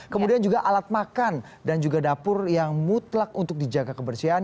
kemudian juga alat makan dan juga dapur yang mutlak untuk dijaga kebersihan